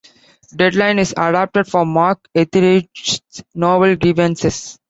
Deadline is adapted from Mark Ethridge's novel Grievances.